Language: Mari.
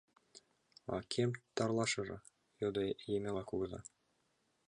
— А кӧм тарлашыже? — йодо Емела кугыза.